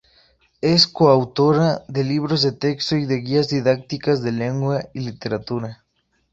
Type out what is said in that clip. Es coautora de libros de texto y de guías didácticas de lengua y literatura.